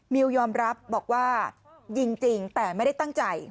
มิวยอมรับบอกว่ายิงจริงแต่ไม่ได้ตั้งใจ